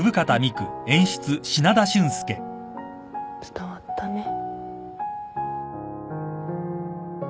伝わったね。